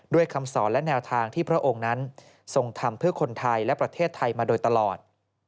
คำสอนและแนวทางที่พระองค์นั้นทรงทำเพื่อคนไทยและประเทศไทยมาโดยตลอด